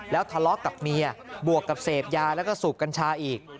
แล้วทะเลาะกับเมียบวกกับเสพยาแล้วก็สูบกัญชาอีก